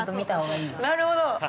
◆なるほど。